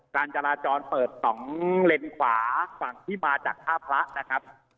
การจราจรเปิด๒เลนขวาฝั่งที่มาจากท่าพระนะครับ